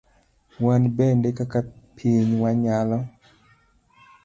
Wan bende kaka piny wanyalo.